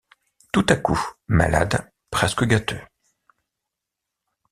Tout à coup, malade, presque gâteux.